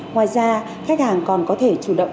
ngoài ra khách hàng còn có thể chủ động